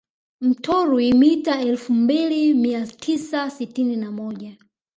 Mtorwi mita elfu mbili mia tisa sitini na moja